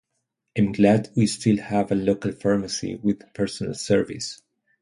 I'm glad we still have a local pharmacy with personal service.